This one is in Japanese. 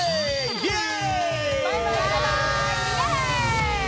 イエーイ！